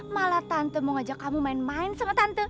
malah tante mau ngajak kamu main main sama tante